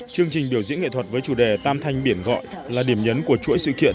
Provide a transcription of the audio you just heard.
chương trình biểu diễn nghệ thuật với chủ đề tam thanh biển gọi là điểm nhấn của chuỗi sự kiện